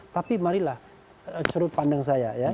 tapi marilah sudut pandang saya ya